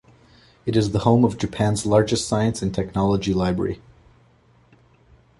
It is the home of Japan's largest science and technology library.